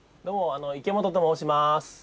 どうも池本と申します。